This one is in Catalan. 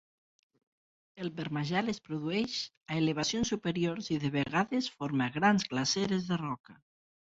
El permagel es produeix a elevacions superiors i de vegades forma grans glaceres de roca.